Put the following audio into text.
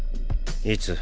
いつ？